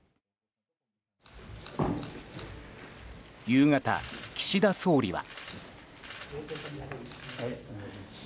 夕方、岸田総理は。